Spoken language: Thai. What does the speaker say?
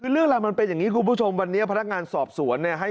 คือเรื่องราวมันเป็นอย่างนี้คุณผู้ชมวันนี้พนักงานสอบสวนเนี่ย